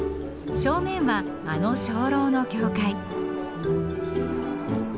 正面はあの鐘楼の教会。